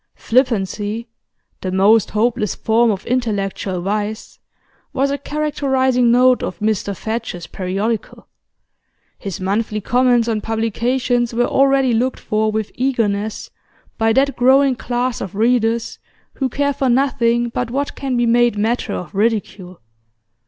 Flippancy, the most hopeless form of intellectual vice, was a characterising note of Mr Fadge's periodical; his monthly comments on publications were already looked for with eagerness by that growing class of readers who care for nothing but what can be made matter of ridicule.